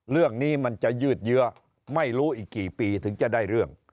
เรื่องนี้มันจะยืดเยื้อไม่รู้อีกกี่ปีถึงจะได้เรื่อง